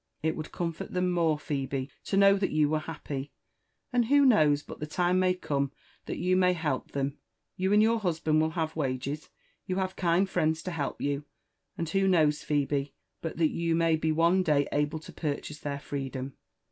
" It would comfort them more, Phebe, to know thai you were happy. And who knows but the time may come that you may help them? You and your husband will have wage» ^you have kind friends to help you, and who knows, Phebe, but that you may be one day able to purchase their freedom?